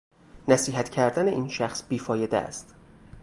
نصیحت کردن این شخص بیفایده است